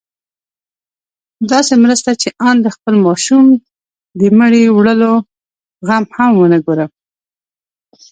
داسې مرسته چې آن د خپل ماشوم د مړي وړلو غم هم ونه ګورم.